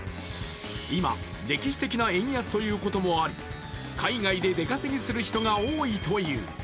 今、歴史的な円安ということもあり、海外で出稼ぎする人が多いという。